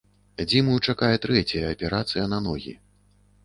Дзіму чакае трэцяя аперацыя на ногі.